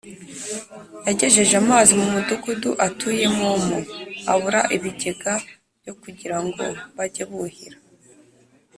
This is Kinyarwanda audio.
yagejeje amazi mu mudugudu atuyemomo, abura ibigega byo kugira ngo bajye buhira